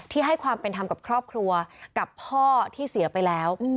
ให้ความเป็นธรรมกับครอบครัวกับพ่อที่เสียไปแล้ว